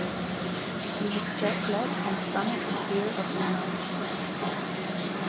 He was jet black and son of the fear of the night.